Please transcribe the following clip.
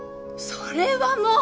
それはもう！